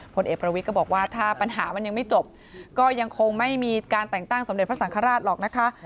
ผลเอกประวิทย์ก็บอกว่าถ้าปัญหามันยังไม่จบก็ยังคงไม่มีการแต่งตั้งสมเด็จพระสังฆราชหรอกนะคะ